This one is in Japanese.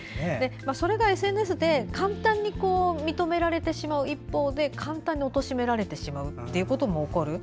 それがＳＮＳで簡単に認められてしまう一方で簡単におとしめられてしまうことも起こる。